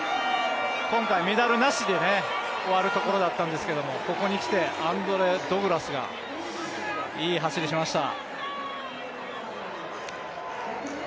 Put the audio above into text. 今回、メダルなしで終わるところだったんですけど、アンドレ・ド・グラスがいい走りしました。